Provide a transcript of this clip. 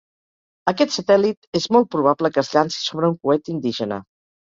Aquest satèl·lit és molt probable que es llanci sobre un coet indígena.